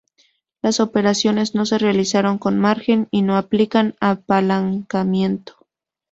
Las operaciones no se realizan con margen y no implican apalancamiento.